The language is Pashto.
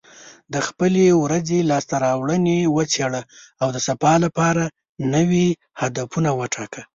د خپلې ورځې لاسته راوړنې وڅېړه، او د سبا لپاره نوي هدفونه وټاکه.